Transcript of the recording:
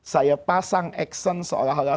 saya pasang action seolah olah